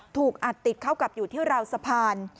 ถูกอัดติดเข้ากับอยู่ที่ราวสะพาน